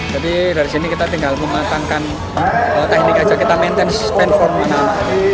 jadi dari sini kita tinggal mematangkan teknik aja kita maintain platform mana mana